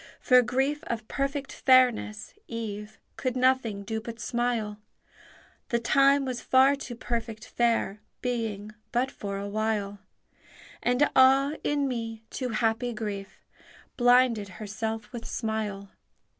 For grief of perfect fairness, eve Could nothing do but smile; The time was far too perfect fair, Being but for a while; And ah, in me, too happy grief Blinded herself with smile!